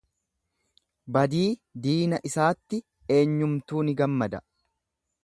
Badii diina isaatti eenyumtuu ni gammada.